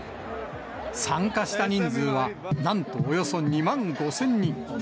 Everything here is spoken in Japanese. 参加した人数は、なんとおよそ２万５０００人。